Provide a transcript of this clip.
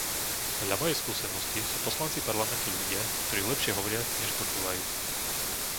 Podľa mojej skúsenosti sú poslanci parlamentu ľudia, ktorí lepšie hovoria než počúvajú.